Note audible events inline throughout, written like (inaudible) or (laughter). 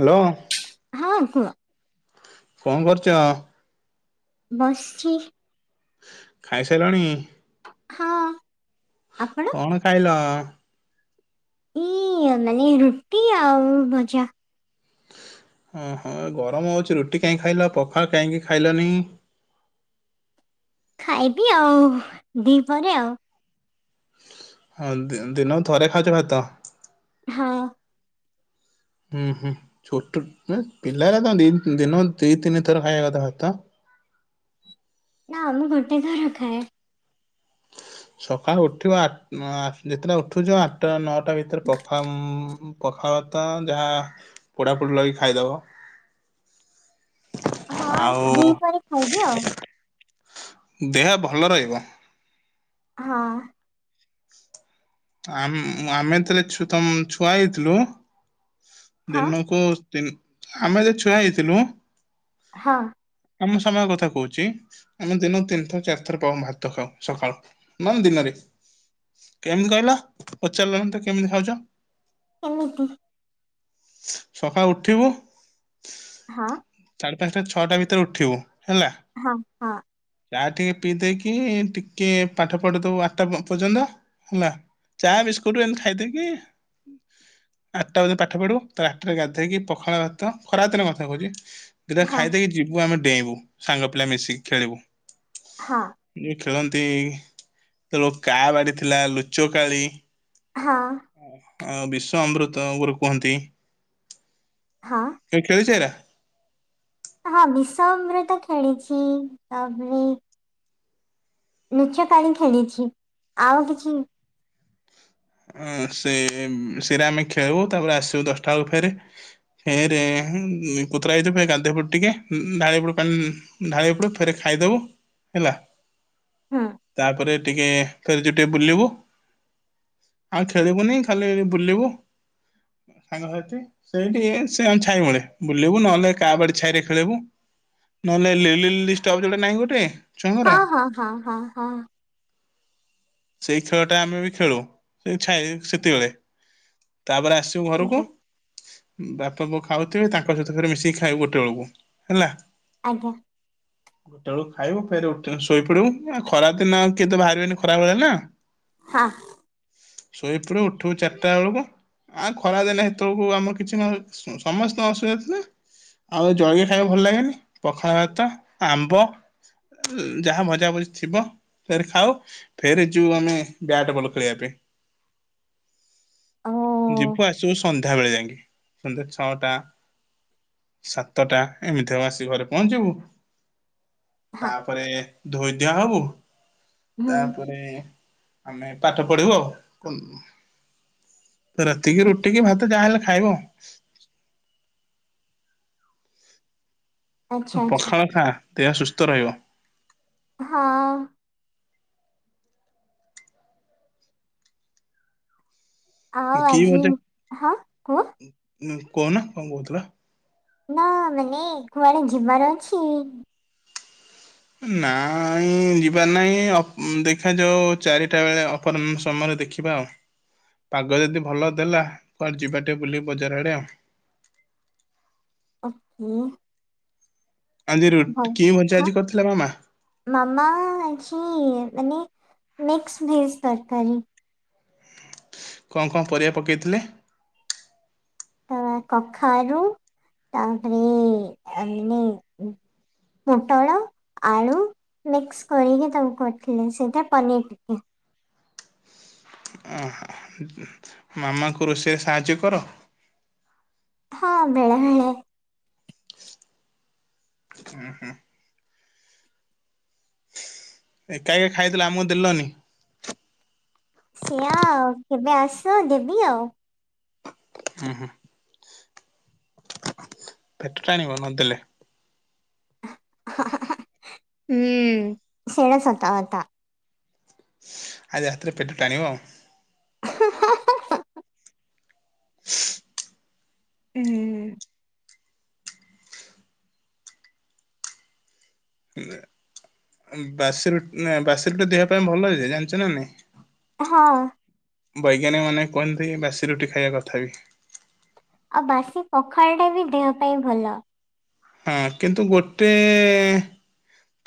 Hello. ହଁ କୁହ? କଣ କରୁଚ? ବସ୍ଛି। ଖାଇସାଇଲଣି? ହଁ ଆପଣ? କଣ ଖାଇଲ? ମୁଁ ମାନେ ରୁଟି ଆଉ ଭଜା। ହୁଁ ହଁ ଏ ଗରମ ହଉଛି ରୁଟି କାହିଁ ଖାଇଲ ପଖାଳ କାହିଁକି ଖାଇଲନି? ଖାଇବି ଆଉ ଦିପହରେ ଆଉ। ହଁ ଦି ଦିନକୁ ଥରେ ଖାଉଛ ଭାତ? ହଁ। ହୁଁ ହୁଁ ଛୋଟ ମାନେ ପିଲାରା ତ ଏମତି ଦିନ ଦି ତିନି ଥର ଖାଇବା କଥା ଭାତ। ନା ମୁଁ ଗୋଟେ ଥର ଖାଏ। ସକାଳୁ ଉଠିବ ଆ ଅଁ ଯେତେଟଳେ ଉଠୁଚ ଆଠଟା ନଅଟା ଭିତେରେ ପଖା ଉମ୍। ପଖାଳ ତମେ ଯାହା ପୋଡାପୋଡ଼ି ଲଗେଇକି ଖାଇଦବ। ହଁ ଆଉ ଦିପହରେ ଖାଇବି ଆଉ। ଦେହ ଭଲ ରହିବ। ହଁ। ଆମ୍ ଆମେ ଯେତେବେଳେ ଛୁ ତମ ଛୁଆ ହେଇଥିଲୁ। ହଁ ଦିନକୁ ତିନ ଆମେ ଯେ ଛୁଆ ହେଇଥିଲୁ। ହଁ। ଆମ ସମୟ କଥା କହୁଛି। ଆମେ ଦିନକୁ ତିନ ଥର ଚାର ଥର ପ ଭାତ ଖାଉ ସକାଳୁ ନନ ଦିନରେ। କେମତି କହିଲ ପଚାରିଲନି ତ କେମିତି ଖାଉଛ। (unintelligible) ସକାଳୁ ଉଠିବୁ। ହଁ। ସାଢେ ପାଞ୍ଚଟା ଛଅଟା ଭିତରେ ଉଠିବୁ ହେଲା। ହଁ ହଁ। ଚା ଟିକେ ପିଇ ଦେଇକି ଟିକେ ପାଠ ପଢ଼ି ଦବୁ ଆଠଟା ପର୍ଯ୍ୟନ୍ତ ହେଲା। ଚା ବିସ୍କୁଟ ଏମିତି ଖାଇଦେଇକି ଆଠଟା ପର୍ଯ୍ୟନ୍ତ ପାଠ ପଢିବ ତ ଆଠଟା ରେ ଗାଧେଇକି ପଖାଳ ଭାତ ଖରା ଦିନ ମଧ୍ୟ କହୁଛି। ଦିଟା ହଁ ଖାଇଦେକି ଯିବୁ ଆମେ ଡେଇଁବୁ ସାଙ୍ଗ ପିଲା ମିଶିକି ଖେଳିବୁ। ହଁ। ଖେଳନ୍ତି ତ କା ବାଡ଼ି ଥିଲା ଲୁଚ କାଳି। ହଁ। ବିଶ ଅମୃତ ଗୁରେ କୁହନ୍ତି। ହଁ। ତମେ ଖେଳିଚ ଏରା? ହଁ ବିଷ ଅମୃତ ଖେଳିଛି। ତାପରେ ଲୁଚ କାଳି ଖେଳିଛି। ଆଉ କିଛି ସେ ସେରା ଆମେ ଖେଳିବୁ ତାପରେ ଆସିବୁ ଦଶଟା ବେଳକୁ ଫେରେ। ହେ ରେ କୁତୁରା ହେଇଥିବେ ଗାନ୍ଧେଇ ପଡ଼ିବୁ ଟିକେ ଢାଳିହେଇପଡୁ ପାଣି। ଢାଳି ହେଇପଡ଼ିବୁ ଫେରେ ଖାଇଦବୁ ହେଲା। ହୁଁ ତାପରେ ଟିକେ ଖେଳ ଛୁଟିରେ ବୁଲିବୁ। ଆଉ ଖେଳିବୁନି, ଖାଲି ବୁଲିବୁ ସାଙ୍ଗସାଥି। ସେଇଟି ଏ, ସେ ଛାଇ ମୁଳେ ବୁଲିବୁ, ନହେଲେ କାଆ ବାଡି ଛାଇରେ ଖେଳିବୁ। ନହେଲେ ଲିଲିଲି ଲିଷ୍ଟ ଯୋଡ଼େ ନାହିଁ ଗୋଟେ। ହଁ, ଛୁଆଙ୍କର ହଁ, ହଁ, ହଁ, ହଁ। ସେଇ ଖେଳ ଟା ଆମେ ବି ଖେଳୁ, ସେ ଛାଇ ସେତିକିବେଳେ। ତାପରେ ଆସିବୁ ଘରକୁ। ଆଜ୍ଞା ବାପା-ବୋଉ ଖାଉଥିବେ, ତାଙ୍କ ସହିତ ଘରେ ମିଶିକି ଖାଇବୁ। ଗୋଟେ ବେଳକୁ ହେଲା। ଆଜ୍ଞା। (inaudible) ଗୋଟେ ବେଳକୁ ଖାଇବୁ ଫେରେ ଉଠି ଶୋଇପଡିବୁ। ଆ ଖରାଦିନ, କିଏ ତ ବାହାରିବେନି ଖରାବେଳେ ନା। ହାଁ। ଶୋଇଥିଲୁ ଉଠିବୁ ଚାରିଟା ବେଳକୁ। ଆ ଖରାଦିନେ ହେତେଳକୁ ଆମର କିଛି ନ ସମସ୍ତଙ୍କ ଅସୁବିଧା ଥିଲେ। ଆଉ ଜଳିଖିଆ ଖାଇବାକୁ ଭଲ ଲାଗେନି। ପଖାଳ ଭାତ, ଆମ୍ବ। ଯାହା ଭଜାଭଜି ଥିବ, ତାପରେ ଖାଉ। ଫେର୍ ଯୋଉ ଆମେ ବ୍ୟାଟ ବଲ ଖେଳିବା ପାଇଁ। ଯିବୁ, ଆସିବୁ। ସନ୍ଧ୍ୟା ବେଳେ ଯାଇକି, ସନ୍ଧ୍ୟା ଛଅଟା। ସାତଟା ଏମିତି ହବ, ଆସି ଘରେ ପହଞ୍ଚିବୁ। ତାପରେ ଧୋଇଧୁଆ ହବୁ। ତାପରେ ଆମେ ପାଠ ପଢିବୁ ଆଉ। ରାତିକି ରୁଟି କି ଭାତ, ଯାହାଲେ ଖାଇବୁ ଆଉ। ପଖାଳ ଖା, ଦେହ ସୁସ୍ଥ ରହିବ। ହଁ। କି ଭଜା, କହୁନା। କଣ କହୁଥିଲ? ନା, ମାନେ କୁଆଡ଼େ ଯିବାର ଅଛି? ନା ଉଁ ଯିବାର ନାହିଁ। ଅ ଦେଖାଯାଉ ଚାରିଟା ବେଳେ ଅପରାହ୍ନ ସମୟରେ ଦେଖିବା ଆଉ। ପାଗ ଯଦି ଭଲ ଦେଲା, କୁଆଡ଼େ ଯିବା ଟେ, ବୁଲି ବଜାର ଆଡ଼େ ଆଉ। (unintelligible) ଆଜି ରୁଟ୍ କି ଭଜା ଆଜି କରିଥିଲ, ମୋ ମା? ମାମା ଅଛି, ମାନେ ମିକ୍ସ୍ ଭେଜ୍‌ ତରକାରୀ। କଁ କଁ ପରିବା ପକେଇଥିଲେ? ତ କଖାରୁ ତାପରେ ଏ ନାଇଁ ପୁଟଳ, ଆଳୁ ମିକ୍ସ କରିକି ତମକୁ ପଠେଇଲି ସେଇଟା ପନିର୍ ଟିକି। ଓହୋ ମାମାଙ୍କୁ ରୋଷେଇରେ ସାହାଯ୍ୟ କର? ହଁ, ବେଳେବେଳେ। ହୁଁ ହୁଁ! ଏକା ଏକା ଖାଇଦେଲ ଆମକୁ ଦେଲନି। ସେଆ କେବେ ଆସ ଦେବି ଆଉ। ହୁଁ ହୁଁ! ପେଟ ଟାଣିବ ନଦେଲେ। ହା, ହା, ହା। ହୁଁ ସେଇଟା ସତ କଥା। ଆଜି ରାତିରେ ପେଟ ଟାଣିବ ଆଉ। (unintelligible) (inaudible) ହୁଁ! ବାସି ରୁଟ୍, ନା ବାସି ରୁଟି ଦେହ ପାଇଁ ଭଲ ଯେ, ଜାଣିଚ ନା ନାଇଁ? ହଁ! ବୈଜ୍ଞାନିକମାନେ କୁହନ୍ତି ବାସି ରୁଟି ଖାଇବା କଥା ବି। ଆଉ ବାସି ପଖାଳଟା ବି ଦେହ ପାଇଁ ଭଲ। ହଁ କିନ୍ତୁ ଗୋଟେ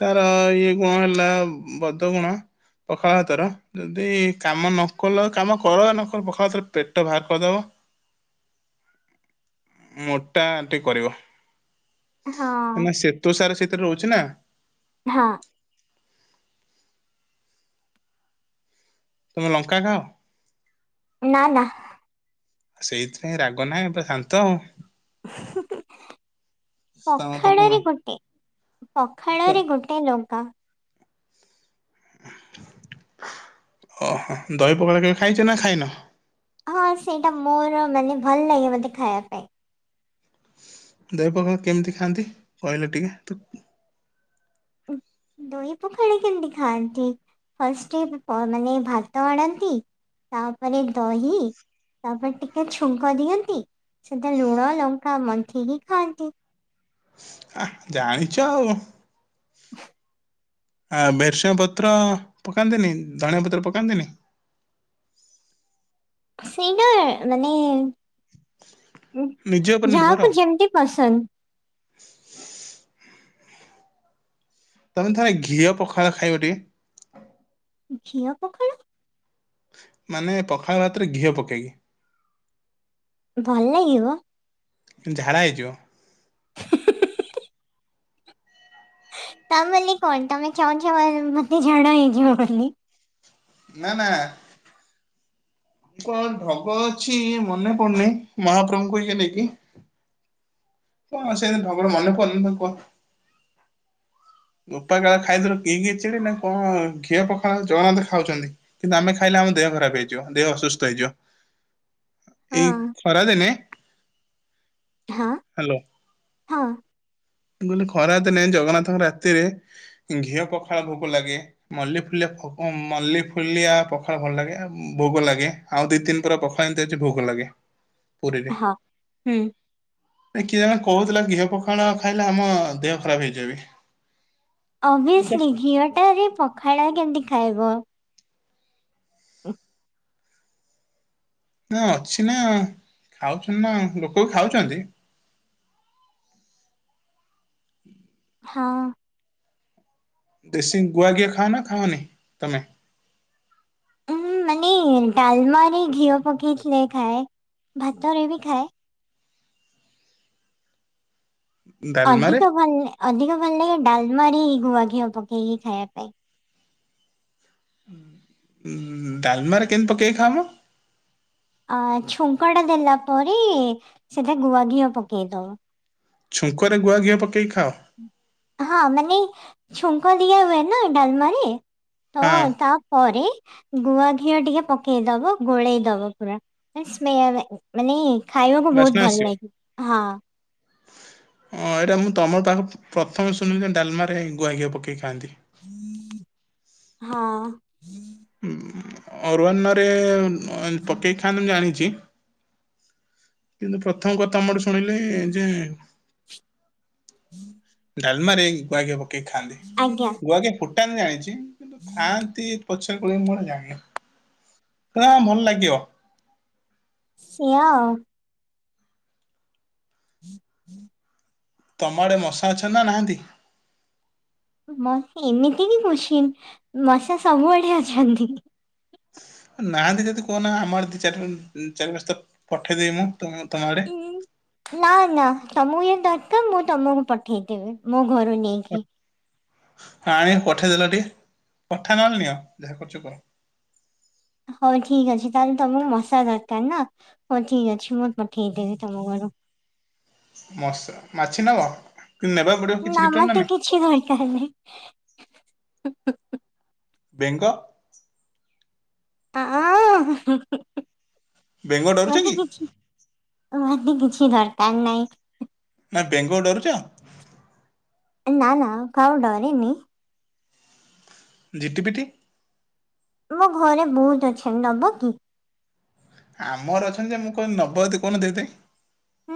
ତାର ଇଏ କଣ ହେଲା ବଦ ଗୁଣ ପଖାଳ ଭାତର। ଯଦି କାମ ନ କଲ କାମ କର ବା ନକର ପଖାଳ ଭାତର ପେଟ ବାହାର କରିଦବ। ମୋଟା ଆଣ୍ଟି କରିବ। ହଁ ନା ଶେତୁ ସାର୍ ସେଥିରେ ରହୁଚି ନା। ହଁ! ତମେ ଲଙ୍କା ଖାଅ? ନା ନା। ସେଇଥିପାଇଁ ରାଗ ନାହିଁ ପୁରା ଶାନ୍ତ ଆଉ। ତମ ତମ ପଖାଳରେ ଗୋଟେ ପଖାଳରେ ଗୋ ଟେ ଲଙ୍କା। ଓହୋ ଦହି ପଖାଳ କେବେ ଖାଇଚ ନା ଖାଇନ? ହଁ ସେଇଟା ମୋର ମାନେ ଭଲ୍ ଲାଗେ ମୋତେ ଖାଇବା ପାଇଁ। ଦହି ପଖାଳ କେମିତି ଖାଆନ୍ତି କହିଲ ଟିକେ ତୁ? ଦହି ପଖାଳ କେମିତି ଖାଆନ୍ତି? ଫାଷ୍ଟେଳ ପ ମାନେ ଭାତ ଆଣନ୍ତି ତାପରେ ଦହି ତାପରେ ଟିକେ ଛୁଙ୍କ ଦିଅନ୍ତି ସେଥିରେ ଲୁଣ ଲଙ୍କା ମଣ୍ଥିକି ଖାଆନ୍ତି। ଆ ଜାଣିଚ ଆଉ। ଆ ଭେସୁଆଁ ପତ୍ର ପକାନ୍ତିନି ଧଣିଆ ପତ୍ର ପକାନ୍ତିନି। ସେଇଟା ମାନେ ଉଁ ନିଜ ଉପରେ ନିର୍ଭର। ଯାହାକୁ ଯେମ୍ତି ପସନ୍ଦ। ତମେ ଥରେ ଘିଅ ପଖାଳ ଖାଇବ ଟିକେ? ଘିଅ ପଖାଳ! ମାନେ ପଖାଳ ଭାତରେ ଘିଅ ପକେଇକି। ଭଲ ଲାଗିବ? ଝାଡ଼ା ହେଇଯିବ। ତା ବୋଲି କଣ, ତମେ ଚାହୁଁଚ ମତେ ଝାଡା ହେଇଯିବ ବୋଲି। ନା ନା। କଣ ଢଗ ଅଛି ମନେ ପଡୁନି, ମହାପ୍ରଭୁଙ୍କ ଇଏ ନେଇକି କଣ ସେ ଢଗର ମନେ ପଡୁନି, ମୁଁ ତାକୁ କଲ୍ ବୋପାକାଳେ ଖାଇଥିଲୁ କିରି ଖିଚିଡି, ନା କଣ ଘିଅ ପଖାଳ ଜଗନ୍ନାଥ ଖାଉଚନ୍ତି। କିନ୍ତୁ ଆମେ ଖାଇଲେ ଆମ ଦେହ ଖରାପ ହେଇଯିବ, ଦେହ ଅସୁସ୍ଥ ହେଇଯିବ। ହଁ ଏଇ ଖରାଦିନେ ହଁ ହାଲୋ, ହଁ ମୁଁ କହିଲି ଖରା ଦିନେ ଜଗନ୍ନାଥଙ୍କର ରା ରାତିରେ ଘିଅ ପଖାଳ ଭୋଗ ଲାଗେ। ମଲ୍ଲି ଫୁଲିଆ ଭୋଗ ମଲ୍ଲି ଫୁଲିଆ ପଖାଳ ଭଲ ଲାଗେ ଆଉ ଭୋଗ ଲାଗେ। ଆଉ ଦି ତିନି ପୁରା ପଖାଳ ଏମିତି ଅଛି ଭୋଗ ଲାଗେ, ପୁରୀରେ। ହଁ ହୁଁ କିଏ ଜଣେ କହୁଥିଲା, ଘିଅ ପଖାଳ ଖାଇଲେ ଆମ ଦେହ ଖରାପ ହେଇଯାଏ ବି। ଅବିଅସ୍ଲି୍ ଘିଅଟାରେ ପଖାଳ କେମିତି ଖାଇବ? (unintelligible) ନା ଅଛି ନା, ଖାଉଚନ୍ତି ନା, ଲୋକ ଖାଉଚନ୍ତି। ହଁ। ଦେଶୀ ଗୁଆ ଘିଅ ଖାଅ ନା, ଖାଅନି ତମେ? ମୁଁ ମାନେ ଡାଲମାରେ ଘିଅ ପକେଇଥିଲେ ଖାଏ, ଭାତରେ ବି ଖାଏ। ଡାଲମାରେ ଅଧିକ ଭଲ, ଅଧିକ ଭଲ ଲାଗେ ଡାଲମାରେ ଗୁଆ ଘିଅ ପକେଇକି ଖାଇବା ପାଇଁ। ଉଁ ଉଁ ଡାଲମାରେ କେମିତି ପକେଇକି ଖାଅ ମ? ଅ ଛୁଙ୍କଟା ଦେଲା ପରେ, ସେଥିରେ ଗୁଆ ଘିଅ ପକେଇଦବ। ଛୁଙ୍କରେ ଗୁଆ ଘିଅ ପକେଇ ଖାଅ। ହଁ ମାନେ, ଛୁଙ୍କ ଦିଆ ହୁଏ ନା ଡାଲ୍ ମାରେ। ହଁ ତାପରେ ଗୁଆ ଘିଅ ଟିକେ ପକେଇଦବ ଗୋଳେଇ ଦବ ପୁରା। ତା ସ୍ମେଲ୍, ମାନେ ଖାଇବାକୁ ବାସ୍ନା ବହୁତ ଭଲ ଆସିବ। ଲାଗେ, ହଁ। ହଁ, ଏଇଟା ମୁଁ ତମର ପାଖକୁ ପ୍ରଥମେ ଶୁଣିଲି ଯେ, ଡାଲ୍ ମାରେ ଗୁଆଗିଆ ପକେଇ ଖାଆନ୍ତି। ହଁ। ଅରୁୱନ୍ ରେ ପକାଇ ଖାଆନ୍ତି, ମୁଁ ଜାଣିଚି। କିନ୍ତୁ ପ୍ରଥମ କଥା ତମଠୁ ଶୁଣିଲି ଯେ (unintelligible) ଡାଲ୍ ମାରେ ଗୁଆଖିଆ ପକେଇକି ଖାଆନ୍ତି, ଆଜ୍ଞା ଗୁଆଗିଆ ଫୁଟାନ୍ତି ଜାଣିଚି କିନ୍ତୁ ଖାଆନ୍ତି ପଛ୍ ଫୁଟାହୁଏ ମୁଁ ଆଉ ଜାଣିନି, ତ ଭଲ ଲାଗିବ? ପୁଅ (unintelligible) ତମ ଆଡ଼େ ମଶା ଅଛନ୍ତି ନା ନାହାଁନ୍ତି? ମଶା ଏମିତି କିି କୋସ୍ଚିନ୍, ମଶା ସବୁଆଡେ ଅଛନ୍ତି। ନାହାନ୍ତି ଯଦି କହୁନା, ଆମର ଦି ଚାରି ଚାରି ପାଞ୍ଚତା ପଠେଇଦେବି ମୁଁ, ତୁ ତୁମ ଆଡେ। ଉଁ, ନା ନା, ତମକୁ ଯଦି ଦରକାର୍, ମୁଁ ତମକୁ ପଠେଇଦେବି, ମୋ ଘରୁ ନେଇକି। ଆଣିକି ପଠେଇଦେଲ ଟିକେ, ପଠା ନହେଲେ ନିଅ, ଯାହା କରୁଚ କର। ହଉ ଠିକ୍ ଅଛି, ତାହେଲେ ତମକୁ ମଶା ଦରକାର ନା, ହଉ ଠିକ୍ ଅଛି ମୁଁ ପଠେଇଦେବି ତମ ଘରୁ ମସା ମାଛି ନବ? କିନ୍ତୁ ନେବାକୁ ପଡିବ କିଛି ନା ରିଟର୍ଣ ତେ ନାଇଁ କିଛି ଦରକାର ନାହିଁ। ବେଙ୍ଗ? ଆହା ହି ହି ବେଙ୍ଗ ଡରୁଛ ମତେ କି କିଛି କିଛି ଦରକାର ନାହିଁ। ନା ବେଙ୍ଗ ଡରୁଛ? ଏ ନା ନା କାହାକୁ ଡରିନି। ଜିଟିପିଟି। ମୋ ଘରେ ବହୁତ ଅଛନ୍ତି ନବ କି? ଆମର ଅଛନ୍ତି ଯେ ମୁଁ କଣ ନବଯଦି କହୁନ ଦେଇଦେବି।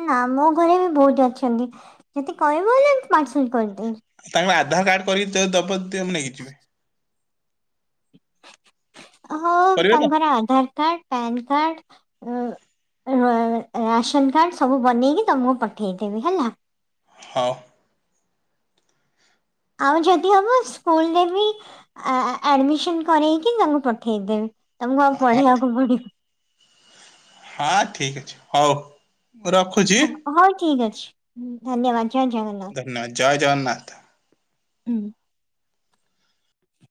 ନା ମୋ ଘରେ ବି ବହୁତ ଅଛନ୍ତି ଯଦି କହିବ ହେଲେ ପାର୍ସଲ କରିଦେବି। ତାଙ୍କ ଆଧାର କାର୍ଡ କରିକି ଯଦି ଦବ ଦିଅ ନେଇକି ଯିବି। ହଁ କରିବେ ତ ତାଙ୍କର ଆଧାର କାର୍ଡ ପାନ କାର୍ଡ ଅଁ ରାସନ କାର୍ଡ଼ ସବୁ ବନେଇକି ତମକୁ ପଠେଇଦେମି ହେଲା। ହଉ। ଆଉ ଯଦି ହବ ସ୍କୁଲରେ ବି ଆ ଆ ଆଡମିସନ କରେଇକି ତାଙ୍କୁ ପଠେଇଦେବେ। ତମକୁ ଆଉ ହଁ ପଢେଇବାକୁ (unintelligible) ହଁ ଠିକ ଅଛି ହଉ ମୁଁ ରଖୁଚି। ହଁ ହଉ ଠିକ୍ ଅଛି ଧନ୍ୟବାଦ ଜୟ ଜଗନ୍ନାଥ। ଧନ୍ୟବାଦ ଜୟ ଜଗନ୍ନାଥ। ହୁଁ।